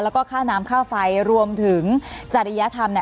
แล้วก็ค่าน้ำค่าไฟรวมถึงจริยธรรม